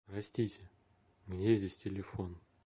Простите, где здесь телефон?